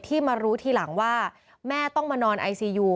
มารู้ทีหลังว่าแม่ต้องมานอนไอซียู